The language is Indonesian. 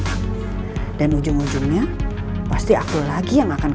sebenarnya tadi perempuan yang edit masih di hardest berekaan memang parallax